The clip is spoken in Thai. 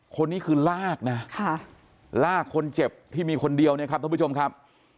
คนนี้คือลากนะลากคนเจ็บที่มีคนเดียวเนี่ยครับท่านผู้ชมครับ